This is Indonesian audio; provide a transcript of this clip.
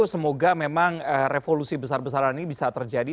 semoga memang revolusi besar besaran ini bisa terjadi